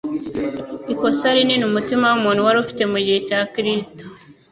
Ikosa rinini umutima w'umuntu wari ufite mu gihe cya Kristo